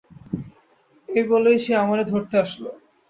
এই বলেই সে আমারে ধরতে আসল।